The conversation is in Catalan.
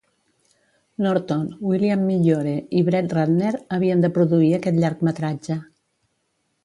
Norton, William Migliore i Brett Ratner havien de produir aquest llargmetratge.